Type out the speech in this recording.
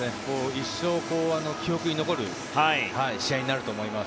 一生、記憶に残る試合になると思います。